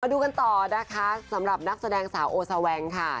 ดูกันต่อนะคะสำหรับนักแสดงสาวโอซาแวงค่ะ